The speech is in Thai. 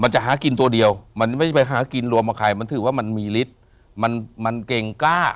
จะหากินตัวเดียวมันไม่ได้ไปหากินรวมกับใครมันถือว่ามันมีฤทธิ์มันมันเกรงกล้า